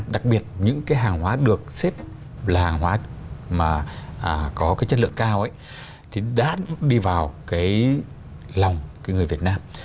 đặc biệt những hàng hóa được xếp là hàng hóa có chất lượng cao thì đã đi vào lòng người việt nam